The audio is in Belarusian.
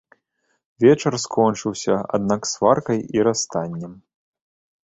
Вечар скончыўся, аднак, сваркай і расстаннем.